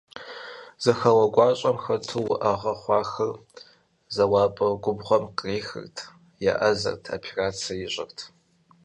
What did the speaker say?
Зэхэуэ гуащӀэхэм хэту, уӀэгъэ хъуахэр зэуапӀэ губгъуэм кърихырт, еӀэзэрт, операцэ ищӀырт…